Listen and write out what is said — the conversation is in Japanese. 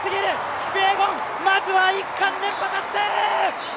キピエゴン、まずは１冠連覇達成！